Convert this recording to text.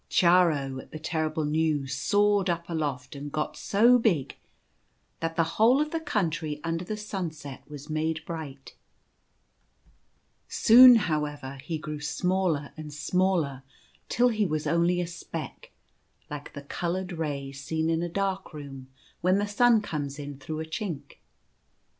Chiaro, at the terrible news, soared up aloft, and got so big that the whole of the Country Under the Sunset The Children of Death. 9 was made bright. Soon, however, he grew smaller and smaller till he was only a speck, like the coloured ray seen in a dark room when the sun comes in through a chink.